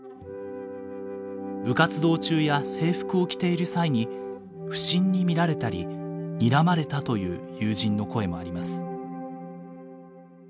部活動中や制服を着ている際に不審に見られたりにらまれたという友人の声もあります。